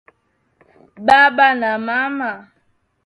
Baba na mama.